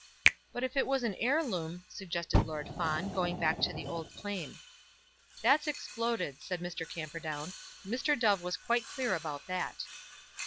"But if it was an heirloom " suggested Lord Fawn, going back to the old claim. "That's exploded," said Mr. Camperdown. "Mr. Dove was quite clear about that."